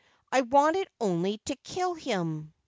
I wanted only to kill him